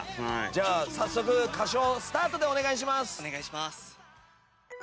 じゃあ早速歌唱スタートでお願いします。